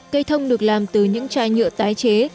cây thông được làm từ những chai nhựa tái chế